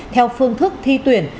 theo phương thức thi tuyển